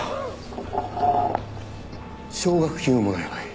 奨学金をもらえばいい。